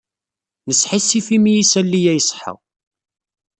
Nesḥissif imi isali-a iṣeḥḥa.